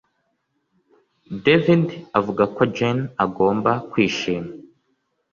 David avuga ko Jane agomba kwishima